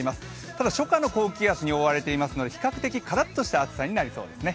ただ、初夏の高気圧に覆われていますので比較的カラッとした暑さになりそうですね。